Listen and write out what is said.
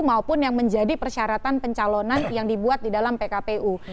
maupun yang menjadi persyaratan pencalonan yang dibuat di dalam pkpu